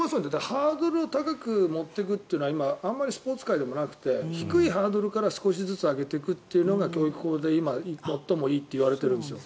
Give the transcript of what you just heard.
ハードルを高く持っていくというのはスポーツ界でもあまりなくて低いハードルから少しずつ上げていくのが教育法で最もいいといわれてるんですよ。